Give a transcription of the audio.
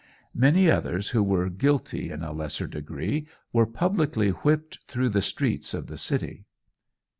Many others who were guilty in a lesser degree were publicly whipped through the streets of the city.